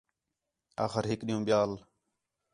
آخر ہِک ݙِین٘ہوں ٻِیال